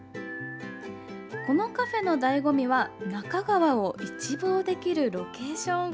このカフェのだいご味は那珂川を一望できるロケーション。